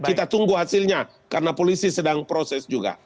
kita tunggu hasilnya karena polisi sedang proses juga